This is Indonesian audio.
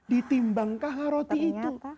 ditimbangkah roti itu